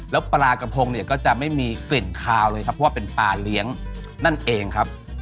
แล้วปลากระพงเนี่ยก็จะไม่มีกลิ่นคาวเลยครับเพราะว่าเป็นปลาเลี้ยงนั่นเองครับ